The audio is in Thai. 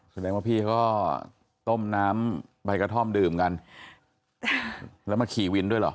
แสดงว่าพี่เขาก็ต้มน้ำใบกระท่อมดื่มกันแล้วมาขี่วินด้วยเหรอ